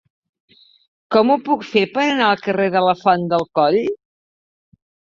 Com ho puc fer per anar al carrer de la Font del Coll?